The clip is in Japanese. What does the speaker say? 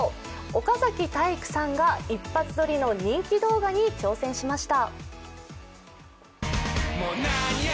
岡崎体育さんが一発撮りの人気動画に挑戦しました。